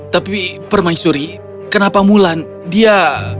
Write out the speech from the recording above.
tapi permaisuri kenapa mulan dia